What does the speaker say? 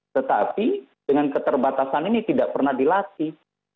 tetapi dengan keterbatasan ini tidak pernah dilatih